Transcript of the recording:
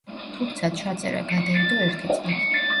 თუმცა, ჩაწერა გადაიდო ერთი წლით.